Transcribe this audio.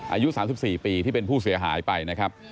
อายุ๓๔ปีที่เป็นผู้เสียหายไปนะครับ